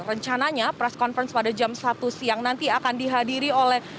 rencananya press conference pada jam satu siang nanti akan dihadiri oleh